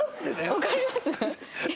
わかります？